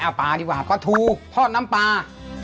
เอาปลาดีกว่าปลาทูทอดน้ำปลา